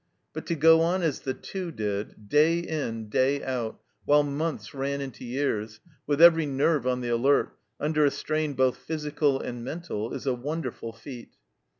But to go on as the Two did, day in, day out, while months ran into years, with every nerve on the alert, under a strain both physical and mental, is a wonderful feat.